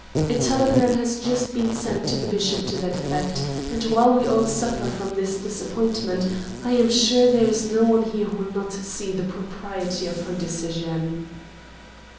A telegram has just been sent to the bishop to that effect, and while we all suffer from this disappointment, I am sure there is no one here who will not see the propriety of her decision."